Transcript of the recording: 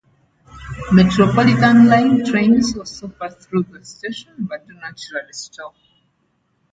Metropolitan line trains also pass through the station, but do not usually stop.